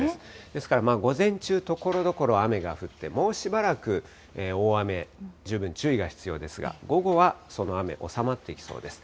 ですから午前中、ところどころ雨が降って、もうしばらく大雨、十分注意が必要ですが、午後はその雨、収まってきそうです。